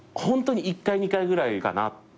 ホントに１回２回ぐらいかな。